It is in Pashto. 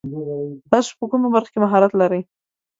تاسو په کومه برخه کې مهارت لري ؟